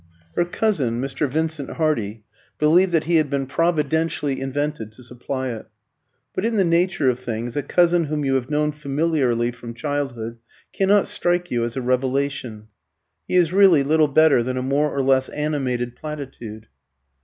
Her cousin, Mr. Vincent Hardy, believed that he had been providentially invented to supply it. But in the nature of things a cousin whom you have known familiarly from childhood cannot strike you as a revelation. He is really little better than a more or less animated platitude.